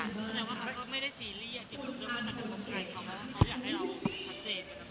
แต่คิดว่าเขาก็ไม่ได้ซีเรียน